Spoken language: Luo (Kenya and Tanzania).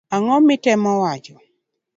Ang'o mitemo wachona.